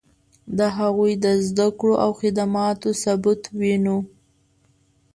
د هغوی د زدکړو او خدماتو ثبوت وینو.